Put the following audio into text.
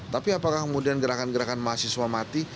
tapi apakah kemudian gerakan gerakan mahasiswa mati